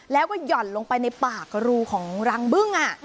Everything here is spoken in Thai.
แล้วก็หย่อนลงไปในปากรูของรังบึ้ง